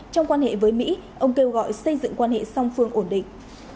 trong quan hệ với mỹ ông kêu gọi xây dựng quan hệ song phương ổn định